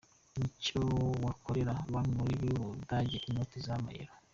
Nicyo gikorera Banki Nkuru y’u Budage inoti z’amayero.